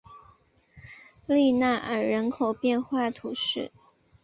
利纳尔人口变化图示